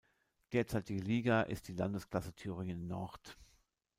Derzeitige Liga ist die Landesklasse Thüringen Nord.